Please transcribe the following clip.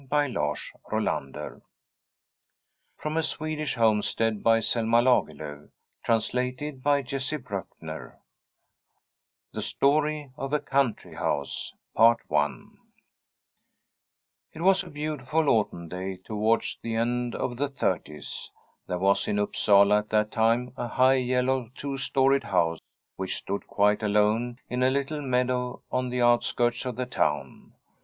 . .3^3 The Brothers 339 From a Swedish Homestead T^be Story of a Country House The Story of a Country House I IT was a beautiful autumn day towards the end of the thirties. There was in Upsala at that time a high, yellow, two storied house, which stood quite alone in a little meadow on the outskirts of the town.